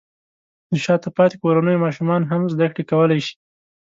د شاته پاتې کورنیو ماشومان هم زده کړې کولی شي.